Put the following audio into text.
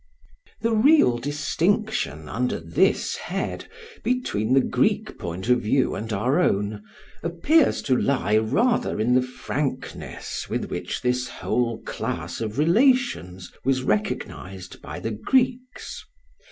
The real distinction, under this head, between the Greek point of view and our own, appears to lie rather in the frankness with which this whole class of relations was recognised by the Greeks.